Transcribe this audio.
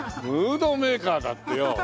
ムードメーカーだってよ。